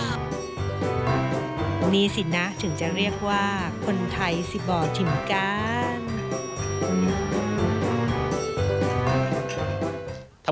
คนไทยสิบอดถิ่มการ